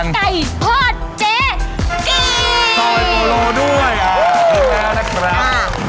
ซอยโปโลด้วยอ่าขอบคุณครับ